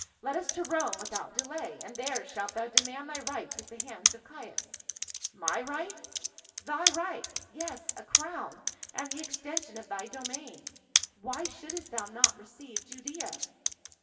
Let us to Rome without delay, and there shalt thou demand thy rights at the hands of Caius." 150 PA UL. " My rights ?" "Thy rights — yes, a crown, and the extension of thy domain. Why shouldst thou not receive Judea?"